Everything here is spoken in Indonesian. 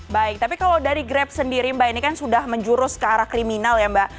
baik tapi kalau dari grab sendiri mbak ini kan sudah menjurus ke arah kriminal ya mbak